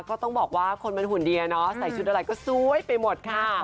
ก็ต้องบอกว่าคนมันหุ่นเดียเนาะใส่ชุดอะไรก็สวยไปหมดค่ะ